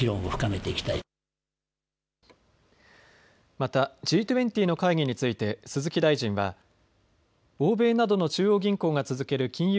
またＧ２０の会議について鈴木大臣は欧米などの中央銀行が続ける金融